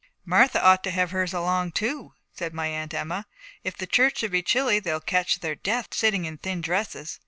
'Martha ought to have hers along, too,' said my Aunt Emma. 'If the church should be chilly they'll catch their death sitting in thin dresses.'